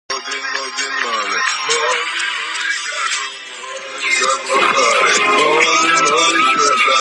ფაშისტური ოკუპაციის დროს ნიკოლაევის ოლქი გაყოფილი იყო გერმანიასა და რუმინეთს შორის.